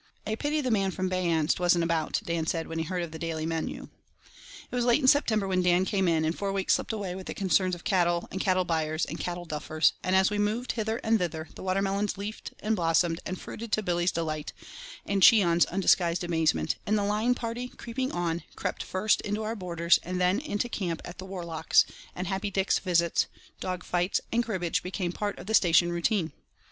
"A pity the man from Beyanst wasn't about," Dan said when he heard of the daily menu. It was late in September when Dan came in, and four weeks slipped away with the concerns of cattle and cattle buyers and cattle duffers, and as we moved hither and thither the water melons leafed and blossomed and fruited to Billy's delight, and Cheon's undisguised amazement and the line party, creeping on, crept first into our borders and then into camp at the Warlochs, and Happy Dick's visits, dog fights, and cribbage became part of the station routine.